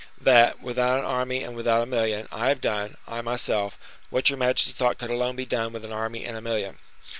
"That, without an army and without a million, I have done—I, myself—what your majesty thought could alone be done with an army and a million."